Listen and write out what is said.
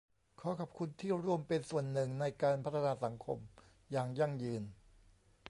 ขอขอบคุณที่ร่วมเป็นส่วนหนึ่งในการพัฒนาสังคมอย่างยั่งยืน